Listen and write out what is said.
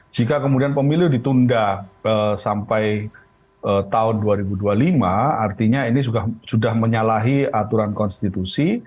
jika kemudian pemilu ditunda sampai tahun dua ribu dua puluh lima artinya ini sudah menyalahi aturan konstitusi